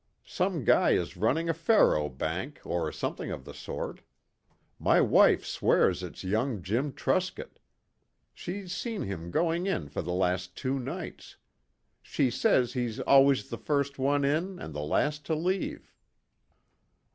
Some guy is running a faro bank, or something of the sort. My wife swears it's young Jim Truscott. She's seen him going in for the last two nights. She says he's always the first one in and the last to leave."